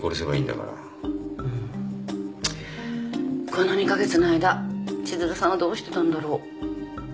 この２カ月の間千鶴さんはどうしてたんだろ？